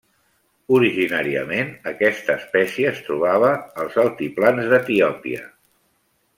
Originàriament aquesta espècie es trobava als altiplans d'Etiòpia.